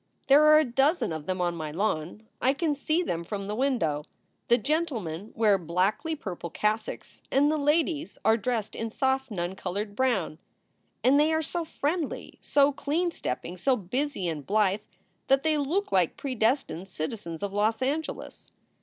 There are a dozen of them on my lawn I can see them from the window. The gentlemen wear blackly purple cassocks and the ladies are dressed in soft nun colored brown. And they are so friendly, so clean stepping, so busy and blithe, that they look like predestined citizens of Los Angeles.